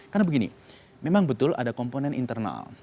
karena begini memang betul ada komponen internal